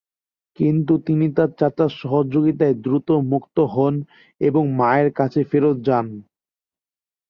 কিন্তু তিনি তার চাচার সহযোগিতায় দ্রুত মুক্ত হন এবং মায়ের কাছে ফেরত যান।